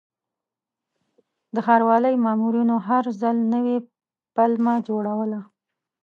د ښاروالۍ مامورینو هر ځل نوې پلمه جوړوله.